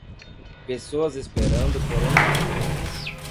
Pessoas esperando por um trem.